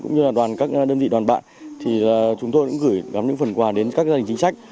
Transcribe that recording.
cũng như là đoàn các đơn vị đoàn bạn thì chúng tôi cũng gửi gắm những phần quà đến các gia đình chính sách